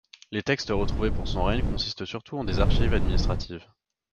Les textes retrouvés pour son règne consistent surtout en des archives administratives.